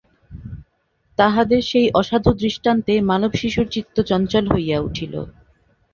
তাহাদের সেই অসাধু দৃষ্টান্তে মানবশিশুর চিত্ত চঞ্চল হইয়া উঠিল।